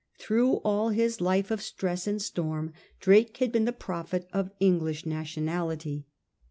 Through all his life of stress and storm Drake had been the prophet of English nationality.